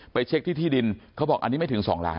เช็คที่ที่ดินเขาบอกอันนี้ไม่ถึง๒ล้าน